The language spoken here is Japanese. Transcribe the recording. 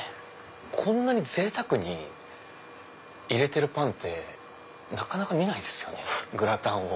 こんなにぜいたくに入れてるパンってなかなか見ないですグラタンを。